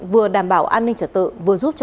vừa đảm bảo an ninh trật tự vừa giúp cho